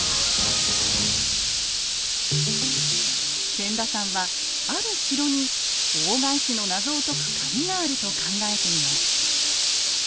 千田さんはある城に大返しのナゾを解くカギがあると考えています。